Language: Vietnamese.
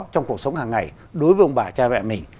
trong cuộc sống hàng ngày đối với ông bà cha mẹ mình